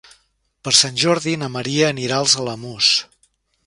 Per Sant Jordi na Maria anirà als Alamús.